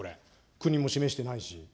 国も示してないし。